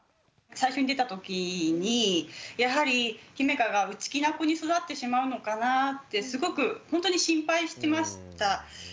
最初に出たときにやはりひめかが内気な子に育ってしまうのかなぁってすごくほんとに心配してました。